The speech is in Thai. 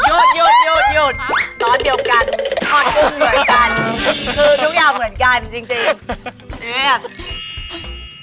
หยุดซอสเดียวกันทอดกุ้งเหมือนกันคือทุกอย่างเหมือนกันจริง